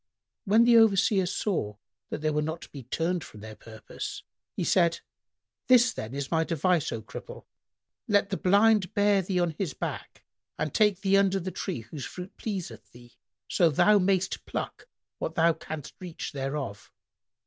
When the Overseer saw that they were not to be turned from their purpose, he said, "This, then, is my device, O Cripple, let the Blind bear thee on his back and take thee under the tree whose fruit pleaseth thee, so thou mayst pluck what thou canst reach thereof."